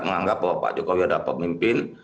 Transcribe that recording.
menganggap bahwa pak jokowi adalah pemimpin